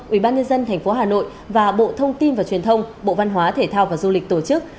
ubnd tp hà nội và bộ thông tin và truyền thông bộ văn hóa thể thao và du lịch tổ chức